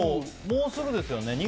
もうすぐですよね。